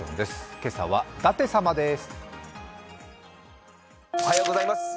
今朝は舘様です。